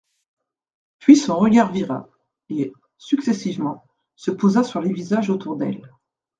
Puis son regard vira, et, successivement, se posa sur les visages autour d'elle.